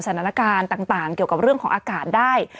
สถานการณ์ต่างเกี่ยวกับเรื่องของอากาศได้